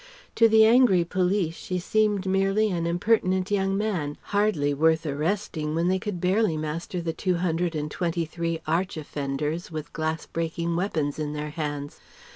To the angry police she seemed merely an impertinent young man, hardly worth arresting when they could barely master the two hundred and twenty three arch offenders with glass breaking weapons in their hands.